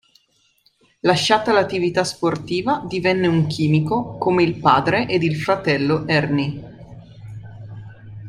Lasciata l'attività sportiva divenne un chimico come il padre ed il fratello Henry.